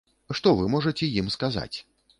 Што вы можаце ім сказаць?